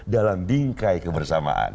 dalam bingkai kebersamaan